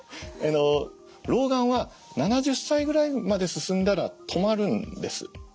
老眼は７０歳ぐらいまで進んだら止まるんです。